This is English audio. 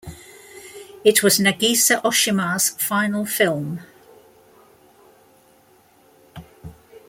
It was Nagisa Oshima's final film.